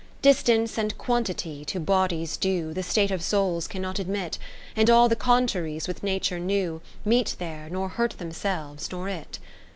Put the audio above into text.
VIII Distance and Quantity, to bodies due, The state of souls cannot admit ; And all the contraries which Nature knew 31 Meet there, nor hurt themselves, nor it.